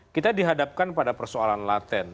kita dihadapkan pada persoalan laten